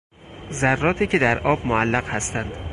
ذراتی که در آب معلق هستند